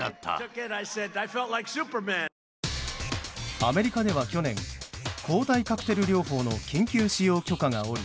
アメリカでは去年抗体カクテル療法の緊急使用許可が下り